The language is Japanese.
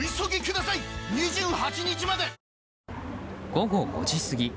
午後５時過ぎ。